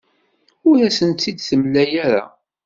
Ur asen-t-id-temlam ara.